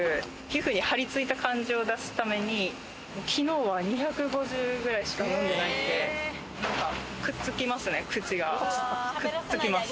皮膚に張り付いた感じを出すために、昨日は２５０ぐらいしか飲んでないんで、くっつきますね、口が。